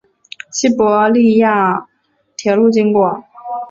西伯利亚铁路经过。